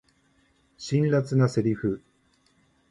辛辣なセリフ